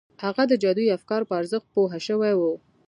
هغه د جادویي افکارو په ارزښت پوه شوی و